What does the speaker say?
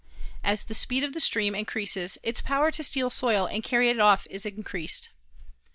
As the speed of the stream increases its power to steal soil and carry it off is increased.